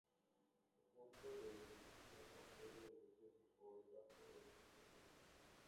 El punto de ebullición no puede reducirse por debajo del punto triple.